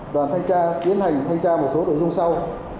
đoàn thanh tra tiến hành thanh tra một số nội dung sau